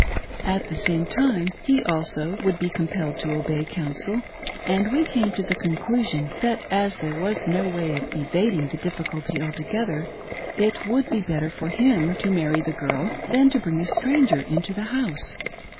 At the same time, he also would be compelled to obey counsel, and we came to the conclusion that as there was no way of evading the difficulty altogether, it would be better for him to marry the girl than to bring a stranger into the house.